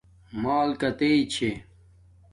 مݳل کَتݵئ چھݺ؟